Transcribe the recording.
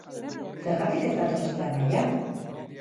Zergatik ez dator zure anaia?